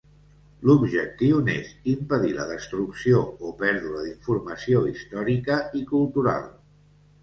L'objectiu n'és impedir la destrucció o pèrdua d'informació històrica i cultural.